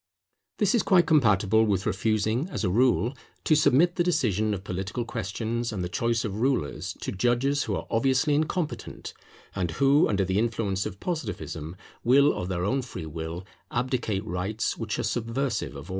This is quite compatible with refusing, as a rule, to submit the decision of political questions and the choice of rulers to judges who are obviously incompetent; and who, under the influence of Positivism, will of their own free will abdicate rights which are subversive of order.